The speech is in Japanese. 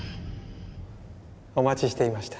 お待ちしていました。